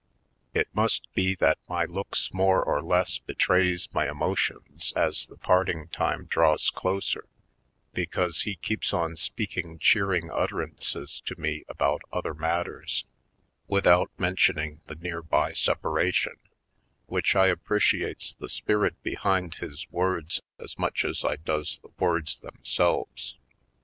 It must be that my looks more or less be trays my emotions as the parting time draws closer, because he keeps on speaking cheer ing utterances to me about other matters, without mentioning the nearby separation; which I appreciates the spirit behind his words as much as I does the words them selves.